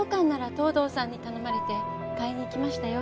藤堂さんに頼まれて買いに行きましたよ